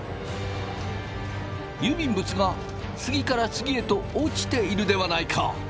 郵便物が次から次へと落ちているではないか！